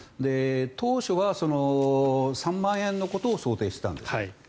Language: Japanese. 当初は３万円のことを想定していたんです。